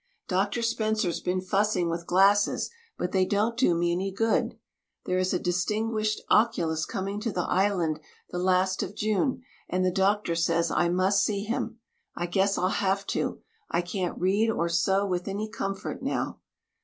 Doctor Spencer's been fussing with glasses, but they don't do me any good. There is a distinguished oculist coming to the Island the last of June and the doctor says I must see him. I guess I'll have to. I can't read or sew with any comfort now.